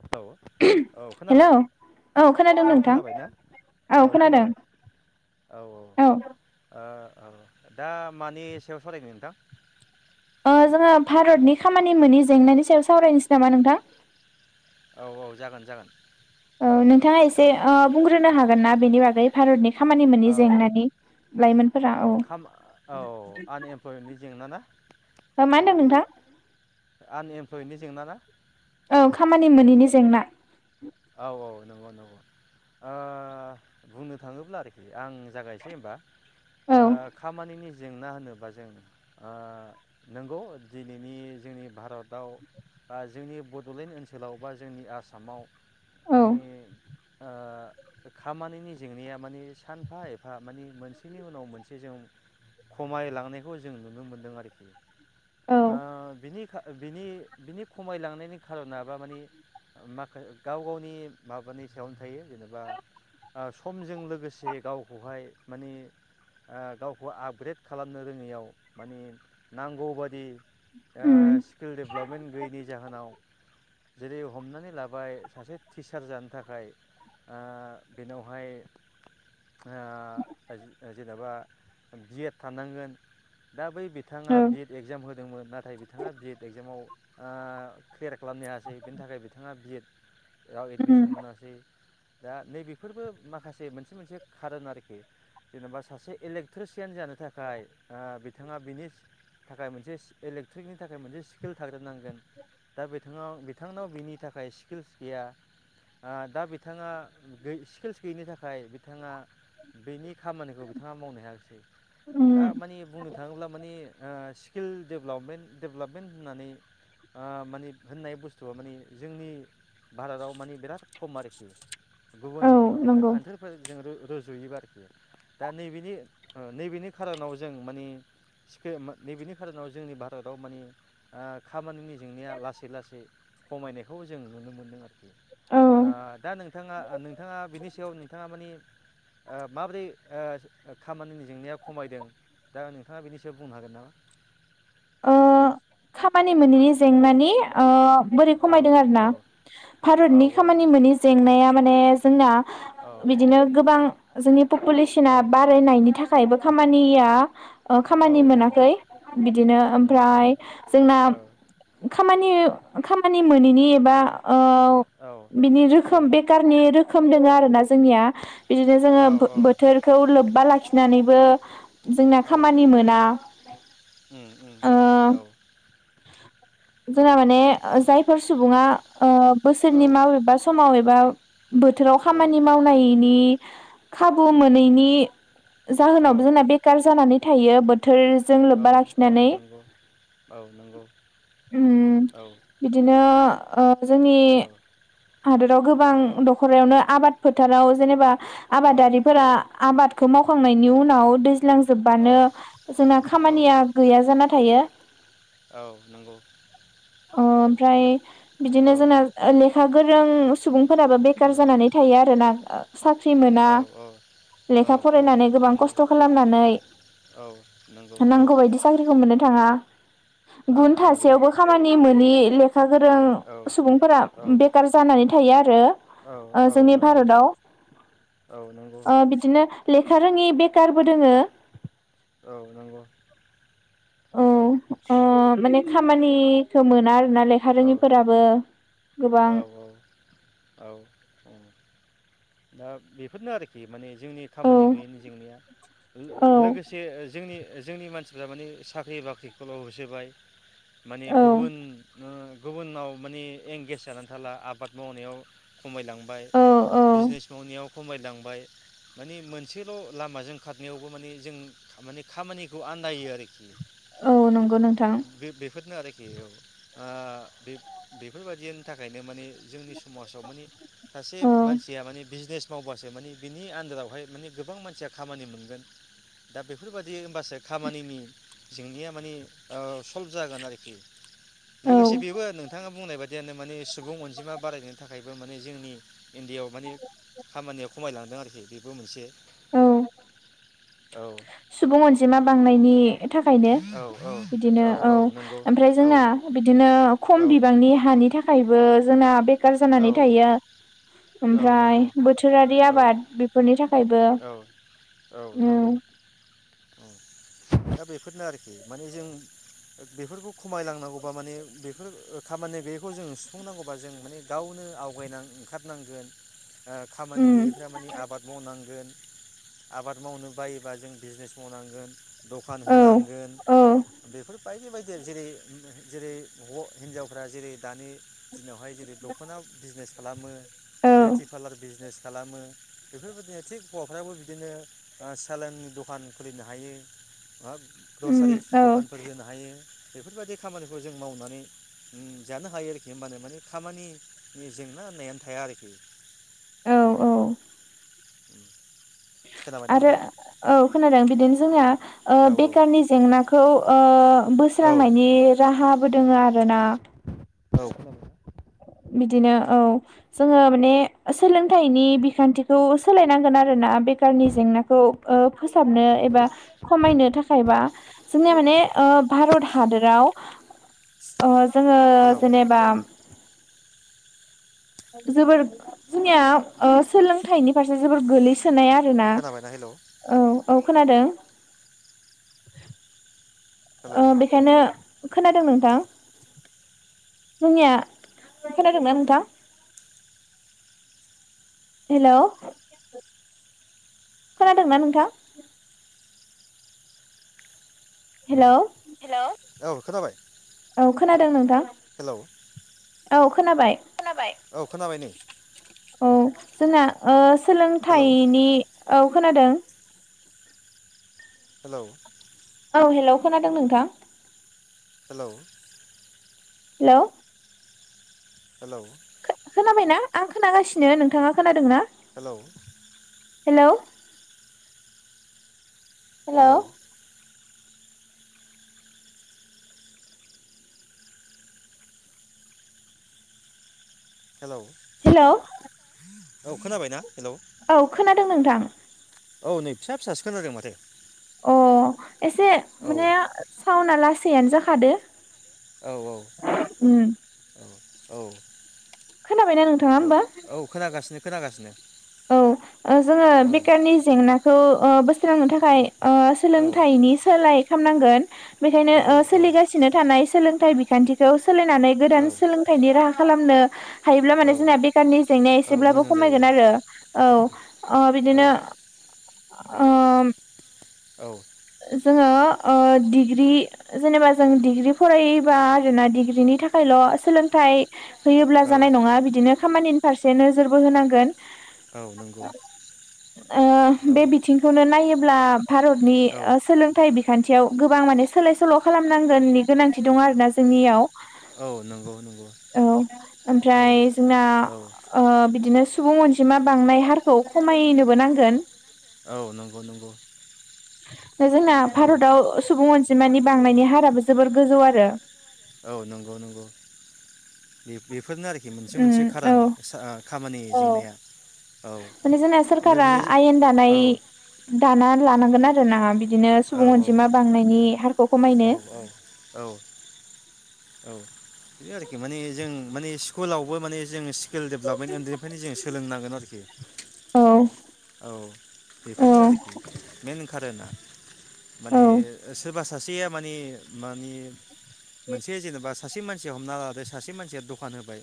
Hello औ hello खोनाबाय खोनादों औ नोंथां खोनाबाय ना औ खोनाबाय औ औ ओ औ दा मानि सायाव सरायगोन नोंथां? ओ जोङो भारतनि खामानि मोनि जेंनानि सायाव सावरायनोसै नामा नोंथां? औ औ जागोन जागोन। औ नोंथाङा औ एसे ओ बुंग्रोनो हागोन ना? बेनि बागै भारतनि खामानि मोननि औ जेंनानि लाइमोनफोरा औ औ आनएमप्लयमेन्टनि जेंना ना मा होनदों नोंथां? आनएमप्लयडनि जेंना ना? औ खामानि मोनैनि जेंना। औ औ नंगौ नंगौ ओ बुंनो थाङोब्ला आरोखि आं जागायनोसै होनबा? औ ओ खामानिनि जेंना होनोबा जों ओ नंगौ दिनैनि जोंनि भारताव बा जोंनि बड'लेण्ड ओनसोलाव बा जोंनि आसामाव औ माने ओ खामानिनि जेंनाया माने सानफा एफ फा माने मोनसेनि उनाव मोनसे जों खमायलांनायखौ जों नुनो मोनदों आरोखि। औ आ बिनि था बिनि बिनि खमायलांनायनि खार'नाबा माने माखा गाव गावनि माबानि सायावनो थायो जेनेबा ओ समजों लोगोसे गावखौहाय माने ओ गावखौ आपग्रेड खालामनो रोङैयाव माने नांगौबादि ओ उम स्किल दडेभेलपमेन्ट गैयैनि जाहोनाव जेरै हमनानै लाबाय सासे टिचार जानो थाखाय ओ बेनावहाय ओ जेनेबा बि एड थानांगोन। दा बै बिथाङा औ बि एड एगजाम होदोंमोन नाथाय बिथाङा बि एड एगजामाव ओ क्लेयार खालामनो हायासै बिनि थाखाय बिथाङा बि एड आव उम एडमिसन मोनासै। दा नैबेफोरबो माखासे मोनसे मोनसे खारोन आरोखि जेनेबा सासे इलेक्ट्रिसियान जानो थाखाय बिथाङा बिनि थाखाय मोनसे इलेक्ट्रिकनि थाखाय मोनसे स्किल थाग्रोनांगोन‌। दा बे बिथाङ बिथांनाव बिनि थाखाय स्किल्स गैया ओ दा बिथाङा स्किल्स गैयिनि थाखाय बिथाङा बेनि खामानिखौ बिथाङा मावनो हायाखासै दा उम माने बुंनो थाङोब्ला माने ओ स्किल डेभेलपमेन्ट डेभेलपमेन्ट होननानै ओ माने होननाय बुस्थुआ माने जोंनि भारताव मानि बिराद खम आरो ए। गुबुन औ नंगौ [unintelligible] रुजुयोबा आरोखि दा नैबेनि ओ नैबेनि खार'नाव जों मानि नैबेनि खारनाव जोंनि भारताव मानि आ खामानिनि जेंनाया लासै लासै खमायनायखौ जों नुनो मोनदों आरो। औ आ दा नोंथाङा नोंथाङा बिनि सायाव नोंथाङा मानि ओ माब्रैर ओ खामानिनि जेंनाया खमायदों दा नोंथाङा बेनि सायाव बुंनो हागोन ना? ओ खामानि मोनिनि जेंनानि ओ बोरै औ खमायदों आरो औ ना औ भारतनि खामानि मोनि जेंनाया माने जोंना औ बिदिनो गोबां जोंनिब औ पपुलेसना बारायनायनि थाखायबो खामानिया ओ खामानि औ नंगौ मोनाखै बिदिनो उम ओमफ्राय उम जोंना औ खामानि [unintelligible] खामानि मोनैनि एबा ओ औ बिनि औ रोखोम बेखारनि रो खोम दों आरोना जोंनिया बिदिनो जोङो औ बो बोथोरखौ लोब्बा लाखि फिननानैबो जोंना औ खामानि मोना। उम उम ओ औ औ जोंआ माने जायफोर सुबुङा ओ औ बोसोरनि माव एबा समाव एबा बोथोराव खामानि मावनायनि खाबु उम मोनैनि औ जाहोनावबो जोंना बेखार जानानै। थायो बोथ थोरजों औ लोबबा लाखि औ नानै नंगौ औ नंगौ उम औ बिदिनो ओ जोंनि औ हादोराव गोबां औ दख'रायावनो आब आबाद फोथाराव जेनेबा औ आबादारिफोरा आबादखौ मावखांनायनि उन नाव दैज सिलांजोबबानो जोंना औ खामानिया जाना थायो। औ नंगौ ओ औ ओमफ्राय बिदिनो औ जोंना लेखा गोर जों सुबुं फोराबो बेखार उम जानानै थायो आरोना। साख्रि मोना औ औ लेखा औ फरायनानै गोबां नंगौ खस्थ' खालामनानै औ नंगौ औ नांगौबायदि साख्रिखौ मोननो थाङा। औ गुन नंगौ थासेयावबो खामानि मोन नि लोक खा गोरों औ सुबुंफोरा औ बेखार जानानै थायो आरो औ ओ औ जोंनि नंगौ भारताव औ नंगौ ओ बिदिनो ले खा रोङि बेखारबो दोङो। औ नोंगौ। औ ओ माने खामानिखो मोना आरोना लेखा रोङिफोराबो। औ गोबां औ औ औ। दा बेफोरनो आरोखि माने जोंनि औ खामानि गैयिनि जेंनाया औ लोगोसे जोंनि जोंनि मानसिफ्रा मानि साख्रि बाख्रिखौल' होसोबाय माने औ गुबुन ओ गुबुनाव माने एंगेेज जानानै थाला आबाद मावनायाव खमायलांबाय औ औ बिजनेस मावनायाव खमायलांबाय माने मोनसेल' लामाजों खारनायावबो माने जों माने खामानिखौ आन्दायो आरोखि। औ नंगौ नोंथां बे बेफोरनो आरो। बे औ आ बेफ बेफोरबादियानो। थाखायनो माने जोंनि समाजाव माने सासे औ मानसिया माने बिजनेस मावबासो माने बिनि आन्दारावहाय माने गोबां मानसिया खामानि मोनगोन दा बेफोरबादि बासो खामानिनि जोंनिया माने ओ सल्भ जागोन आरोखि औ लोगोसे बेबो नोंथाङा बुंनाय बाद दियानो माने सुबुं अनजिमा बारायनो थाख थाखायबो माने जोंनि इण्डियाव माने खामानियाव खमायलांदों आरोखि बेबो मोनसे औ औ सुबुं अनजिमा बांनायनि थाखायनो औ बिदिनो औ ओमफ्राय जोङा बिदिनो औ खम बिबांनि हानि थाखायबो जोंना बे सिखार औ जानानै थायो औ ओमफ्राय नंगौ बोथोरारि औ आबाद बेफोरनि थाखायबो औ औ नंगौ। उम औ दा बेफोरनो आरोखि माने जों बेफोरखौ खमायलांनांगौबा माने बे बेफोर खामानि गैयैखौ जों सुफुंनांगौबा जों माने गावनो आवगायनां ओंखारनांगोन खामानि गैयैफ्रा मानिे आबाद मावनांगोन। आबाद मावनो बायोबा जों बिजनेस मावनांगोन दखान औ होनांगोन औ बेफोर बायदि बायदि जेरै जेरै हौ हिनजावफ्रा जेरै दानि दिनावहाय जेरै। बिजनेस खालामो औ बिउटि पालारनि बिजनेस खालामो बेफोरबायदिनो थिग हौवाफ्राबो बिदिनो सेलन दखान खुलिनो हायो। मा उम ग्रसारि औ दखानफोर होनो हायो। बेफोरबायदि खामानिखौ जों मावनानै जानो हायो आरोखि होनोमबानो माने खामानि बे जेंना होननायानो थाया आरोखि। औ औ। उम। आरो औ खोनादों बिदिनो जोंनिआ ओ औ बेखारनि जेंनाखौ ओ औ बोस्रांनायनि राहा बो दोङो आरो रो ना औ बिदिनो औ जोङो माने सोलोंथाइनि बिखान्थिखौ सोलायनांगोन आरोना बेखारनि जेंनाखौ फोसाबनो एबा खोनाबाय। खमायनो थाखायबा जोंनिया माने ओ भारत हादराव ओ जोङो हेलौ जेनेबा जोबोर जोंनिया ओ सोलोंथाइनि फारसे जोबोर गोलैसोनाय आरोना खोनाबायना हेलौ औ औ खोनादों हेलौ ओ बेखायनो खोनादों नोंथां [unintelligible] खोनादोंना नोंथां हेलौ खोनादोंना नोंथां हेलौ हेलौ औ खोनाबाय औ खोनादों नोंथां हेलौ औ खोनाबाय खोनाबाय औ खोनाबाय नै औ जोंहा ओ हेलौ सोलोंथाइनि औ खोनादों हेलौ औ हेलौ खोनादों नोंथां हेलौ हेलौ हेलौ खोनाबायना आं खोनागासिनो नोंथाङा खोनादों ना hello hello hello hello hello औ खोनाबाय ना औ खोना दों नोंथां औ नै फिसा फिसासो खोनादों माथो अ एसे औ माने सावना लासै फिसायानो जाखादो औ औ उम औ खोनाबायना नोंथाङा औ होमबा औ खोनागासिनो खोनागासिनो औ जोङो औ बेखारनि जेंनाखौ अ बोस्रांनो थाखाय ओ औ सोलोंथाइनि सोलाय खामनांगोन बेखायनो औ ओ सोलिगासिनो थानाय सोलों थाइ बिखान्थिखौ सोलायनानै औ गोदान सोलोंथाइनि राहा खालामनो हायोब्ला औ माने जोंना [unintelligible] जेंनाया औ एसेब्लाबो मोजां जायो खमायगोन आरो औ अ औ बिदिनो ओम औ जोङो ओ डिग्रि जेनेबा जों डिग्रि फरायोबा आरोना डिग्रिनि थाखायल' सोलोंथाइ होयोब्ला औ जानाय नङा बिदिनो खामानिनि फारसे नोजोरबो होनांगोन औ नंगौ ओ औ बे बिथिंखौनो नायोब ब्ला भारतनि औ ओ सोलोंथाइ बि खान्थियाव गोबां माने सोलाय सोल' खालामनांगोननि गोनांथि दं आरोना जोंनियाव औ नंगौ नंगौ औ औ ओमफ्राय जोंना औ ओ बिदिनो सुबुं अनजिमा बांनाय हारखौ खमायनोबो नांगोन औ नोंगौ नोंगौ [unintelligible] जोंना भारताव सुबुं अनजि जिमानि बांनायनि हाराबो जोबोर गोजौ आरो औ नोंगौ नोंगौ बिबिब फोरनो आरोखि मोनसे उम मोनसे खारोन सा आ खामानि औ जेंनाया औ माने जोंना सोरखारा लोगोसे जो आयेन दानाय औ दाना लानांगोन आरो ना बिद दिनो औ सुबुं अनजिमा बांनायनि हारखौ खमायनो। औ ए आरोखि माने जों माने स्कुलावबो माने जों स केल डेबलभमेन उन्दैनिफ्रायनो जों सोलोंनां गोन आरोखि। औ औ बेफोरनो आरोखि मेन कारोना। औ माने सोब बा सासेया माने मानि मोनसे जेनेबा सासे मानसिया हमना लादो सासे मानसिया दखान होबाय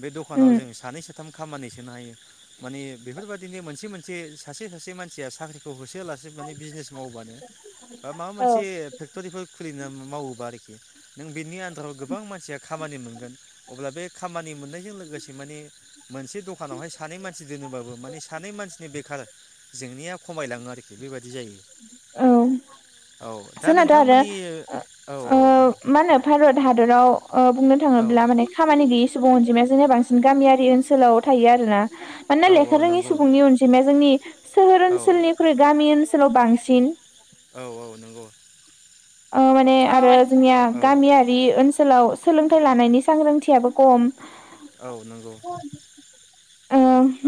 बे दखानाव जों सानै साथ थाम खामानि सोनो हायो। माने बेफोर बादिनो मोनसे मोनसे सासे सासे मानसिया साख्रिखौ होसो होया आलासे माने बिजनेस मावबानो ओ माबा मोनसे फेक्टरिफोर खुलिनो मावोबा आरोखि नों बेनि आन्दाराव गोबां मानसिया खामानि मोनगोन। अब्ला बे खामानि मोननायजों लोगोसे माने मोनसे दखानावहाय सानै मानसि दोनोबाबो माने सानै मानसिनि बेखार जेंनाया खमायलाङो आरोखि बेबादि जायो। औ औ [inaudible] जोंनाथ आरो नोंथांमोननि औ ओ ओ औ औ मा होनो भारत हादराव ओ बुंनो औ थाङोब्ला माने खामानि गैयि सुबुं अनजिमाया दिनो बांसिन गामियारि ओनसोलाव थायो आरोना। औ मानोना औ लेखा रोङि नंगौ सुबुंनि अनजिमाया जोंनि सोहोर औ ओनसोलनिख्रुइ गामि ओनस सोलाव बांसिन। [inaudible] नंगौ औ माने औ आरो जोंनिया औ गामियारि ओनस सोलाव सोलोंथाइ लानायनि सांग्रांथियाबो खम औ नंगौ। ओ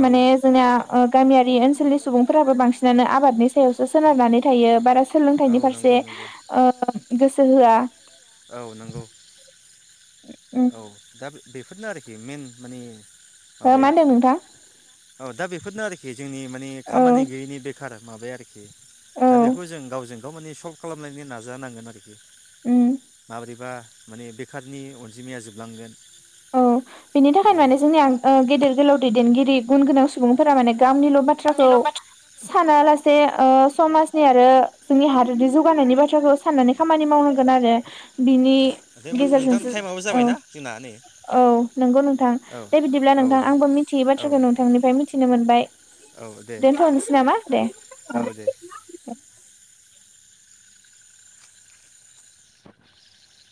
औ माने जोंना ओ गामियारि ओनसोलनि सुबुंफोराबो बांसिनानो आबादनि सायावसो सोनारनानै थायो बारा औ सोलोंथाइनि फारसे नंगौ नंगौ ओ गोसो होआ औ नंगौ। उम औ दा बेफोरनो आरोखि मेन मानि हो मा होनदों नोंथां? औ दा बेफोरनो आरोखि जोंनि माने औ खामानि गैयैनि बेख खार माबाया आरोखि औ दा बेखौ जों गावजों मानि सल्भ खालामलायनो नाजानांगोन आरोखि उम माब्रैबा मानि बेखारनि अन जिमाया जोबलांगोन औ बेनि औ थाखायनो माने जोंनिया ओ गेदेर गोलाव दैदेनगिरि गुन गोनां सुबुंफोरा माने गामनिल' बाथ्राखौ दे सानालास से ओ समाजनि आरो जोंनि हादोदनि जौगानायनि बाथ्राखौ साननानै खामानि मावनांगोन आरो बिनि होमबा नोंथां गेजेरजोंसो टाइमाबो औ जाबायना जोंना नै औ नंगौ नोंथां औ दे बिदिब्ला नोंथां औ दे आंबो मिथियै औ बाथ्राखौ नोंथांनिफ्राय मिथिनो मोनबाय औ दे दोनथ'नोसै नामा दे औ।